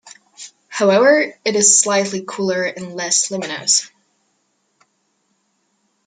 However, it is slightly cooler and less luminous.